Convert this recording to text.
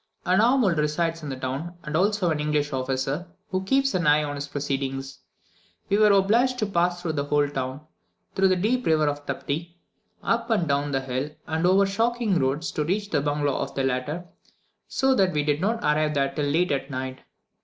An aumil resides in the town, and also an English officer, who keeps an eye on his proceedings. We were obliged to pass through the whole town, through the deep river Taptai, up and down hill, and over shocking roads, to reach the bungalow of the latter, so that we did not arrive there till late at night.